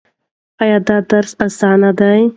ایا دا درس اسانه دی؟